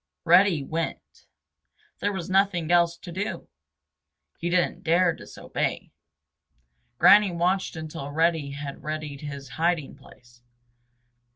Reddy went. There was nothing else to do. He didn't dare disobey. Granny watched until Reddy had readied his hiding place.